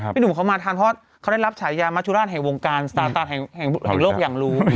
หนุ่มเขามาทันเพราะเขาได้รับฉายามชุราชแห่งวงการสาตาแห่งโลกอย่างรู้